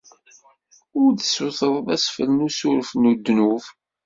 Ur d-tessutreḍ asfel n usuref n ddnub.